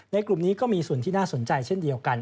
กลุ่มนี้ก็มีส่วนที่น่าสนใจเช่นเดียวกัน